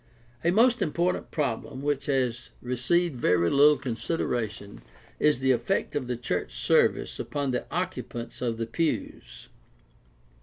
— A most important problem which has received very little consideration is the effect of the church service upon the occupants of the pews.